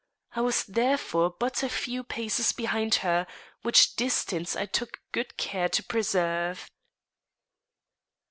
I was therefore but a few paces behind her, which distance I took good care to preserve.